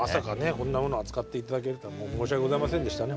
こんなもの扱っていただけるとは申し訳ございませんでしたね